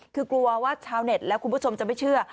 คือกลัวว่าชาวเน็ตและคุณผู้ชมจะไม่เชื่อ